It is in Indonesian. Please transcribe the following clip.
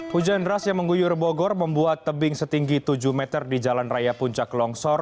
hujan deras yang mengguyur bogor membuat tebing setinggi tujuh meter di jalan raya puncak longsor